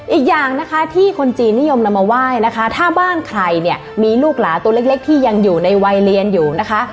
อีกอย่างนะคะที่คนจีนนิยมนำมาไหว้นะคะถ้าบ้านใครเนี่ยมีลูกหลาตัวเล็กที่ยังอยู่ในวัยเรียนอยู่นะคะ